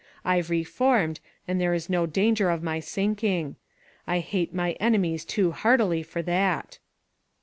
I've reformed, and there is no danger of my sinking. I hate my enemies too heartily for that."